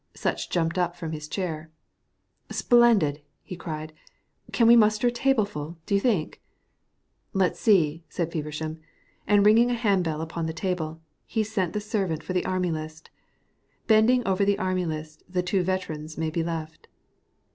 Sutch jumped up from his chair. "Splendid!" he cried. "Can we muster a tableful, do you think?" "Let's see," said Feversham, and ringing a handbell upon the table, sent the servant for the Army List. Bending over that Army List the two veterans may be left.